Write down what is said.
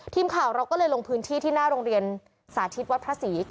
ทีมข่าวเราก็เลยลงพื้นที่ที่หน้าโรงเรียนสาธิตวัดพระศรี